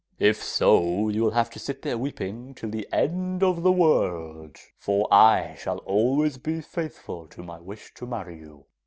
If so you will have to sit there weeping till the end of the world, for I shall always be faithful to my wish to marry you!